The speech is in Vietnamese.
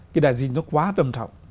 cái đại dịch nó quá trầm trọng